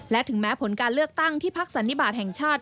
และถึงแม้ผลการเลือกตั้งที่พักสันนิบาทแห่งชาติ